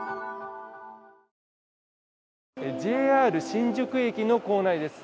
ＪＲ新宿駅の構内です。